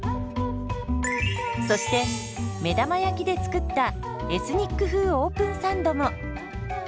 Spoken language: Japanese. そして目玉焼きで作ったエスニック風オープンサンドも。